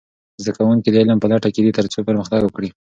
زده کوونکي د علم په لټه کې دي ترڅو پرمختګ وکړي.